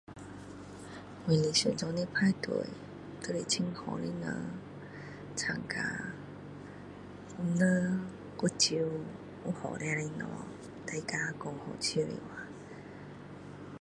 我理想中的派對就是很好的人參加人又少有好吃的東西大家說搞笑的話